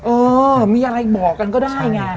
เออมีอะไรบอกกันก็ได้ไง